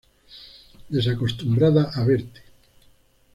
Desacostumbrada a verte